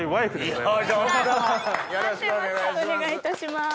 よろしくお願いします。